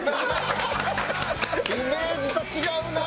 イメージと違うな。